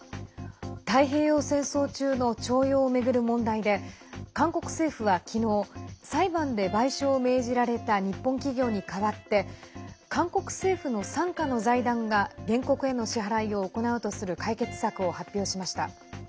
太平洋戦争中の徴用を巡る問題で韓国政府は昨日裁判で賠償を命じられた日本企業に代わって韓国政府の傘下の財団が原告への支払いを行うとする解決策を発表しました。